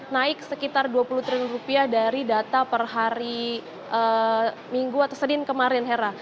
naik sekitar dua puluh triliun rupiah dari data per hari minggu atau senin kemarin hera